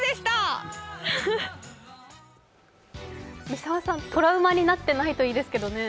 三澤さん、トラウマになっていないといいですけどね。